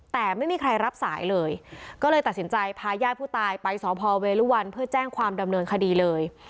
แต่ไม่มีใครรับสายเลยก็เลยตัดสินใจพาญาติผู้ตายไปสพเวรุวันเพื่อแจ้งความดำเนินคดีเลย